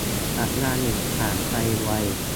สัปดาห์หนึ่งผ่านไปไว